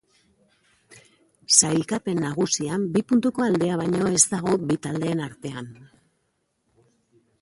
Sailkapen nagusian bi puntuko aldea baino ez dago bi taldeen artean.